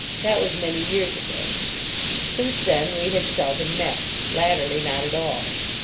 That was many years ago. Since then we had seldom met. Latterly, not at all.